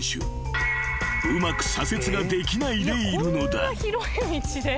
［うまく左折ができないでいるのだ］